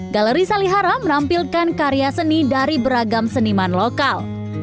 galeri salihara menampilkan karya seni dari beragam seniman lokal